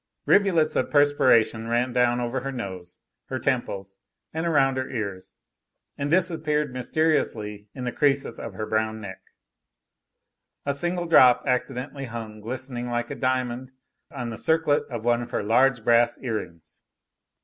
Rivulets of perspiration ran down over her nose, her temples, and around her ears, and disappeared mysteriously in the creases of her brown neck. A single drop accidentally hung glistening like a diamond on the circlet of one of her large brass earrings.